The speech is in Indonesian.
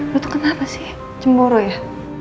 lo tuh kenapa sih cemburu ya